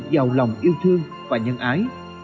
giàu lòng yêu thương và nhân ái